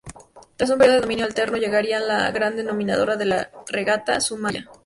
Tras un periodo de dominio alterno llegaría la gran dominadora de la regata: Zumaya.